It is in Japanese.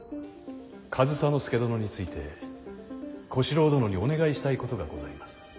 上総介殿について小四郎殿にお願いしたいことがございます。